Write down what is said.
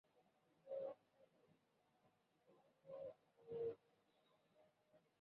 Photographer বা লেখকের নাম দেওয়া সাহায্য করতে পারে তবে এটি স্বয়ংক্রিয়ভাবে কোনও ব্যবহারকে ন্যায্য যথাযথ করে না।